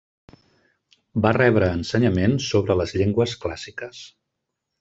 Va rebre ensenyament sobre les llengües clàssiques.